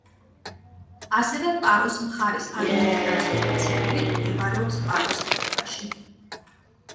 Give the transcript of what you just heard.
ასევე პაროს მხარის ადმინისტრაციული ცენტრი, მდებარეობს პაროს ხეობაში.